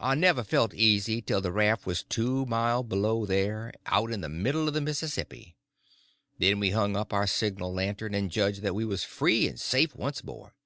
I never felt easy till the raft was two mile below there and out in the middle of the Mississippi. Then we hung up our signal lantern, and judged that we was free and safe once more.